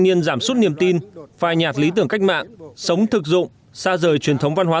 niên giảm suốt niềm tin phai nhạc lý tưởng cách mạng sống thực dụng xa rời truyền thống văn hóa